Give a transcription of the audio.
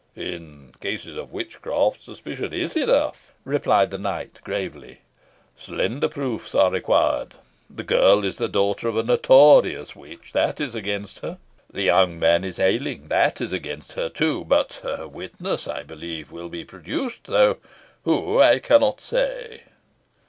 "In cases of witchcraft suspicion is enough," replied the knight, gravely. "Slender proofs are required. The girl is the daughter of a notorious witch that is against her. The young man is ailing that is against her, too. But a witness, I believe, will be produced, though who I cannot say."